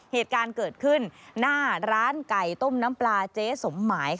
เหตุการณ์เกิดขึ้นหน้าร้านไก่ต้มน้ำปลาเจ๊สมหมาย